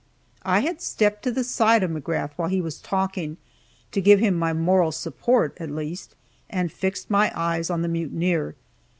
I had stepped to the side of McGrath while he was talking, to give him my moral support, at least, and fixed my eyes on the mutineer.